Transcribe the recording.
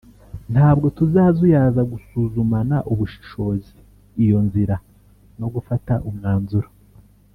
ntabwo tuzazuyaza gusuzumana ubushishozi ”iyo nzira” no gufata umwanzuro